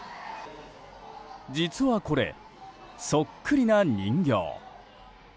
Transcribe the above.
実はこれ、そっくりな人形。